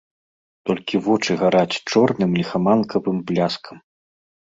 Толькі вочы гараць чорным ліхаманкавым бляскам.